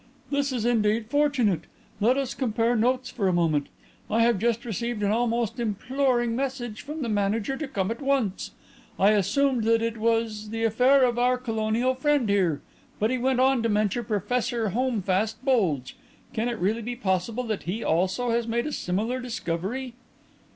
"This is indeed fortunate. Let us compare notes for a moment. I have just received an almost imploring message from the manager to come at once. I assumed that it was the affair of our colonial friend here, but he went on to mention Professor Holmfast Bulge. Can it really be possible that he also has made a similar discovery?"